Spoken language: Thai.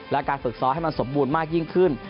และการฝึกซ้อมให้มันสมบูรณ์มากยิ่งขึ้น